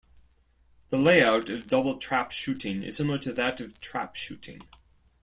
The layout of double trap shooting is similar to that of trap shooting.